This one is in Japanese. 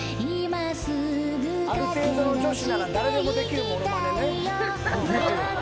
ある程度の女子なら誰でもできるモノマネね。